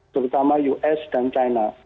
terutama us dan china